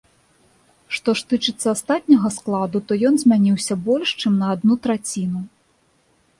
Што ж тычыцца астатняга складу, то ён змяніўся больш, чым на адну траціну.